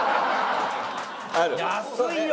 安いよ！